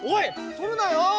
とるなよ！